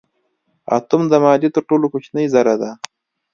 اتوم د مادې تر ټولو کوچنۍ ذره ده.